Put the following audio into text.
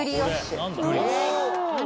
何？